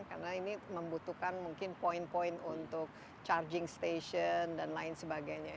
karena ini membutuhkan mungkin poin poin untuk charging station dan lain sebagainya